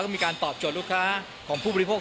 มีการตอบโจทย์ลูกค้าของผู้บริโภค